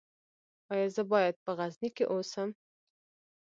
ایا زه باید په غزني کې اوسم؟